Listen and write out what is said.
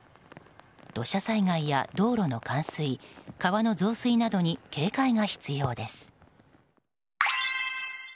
土砂災害や道路の冠水川の増水などに警戒が必要です。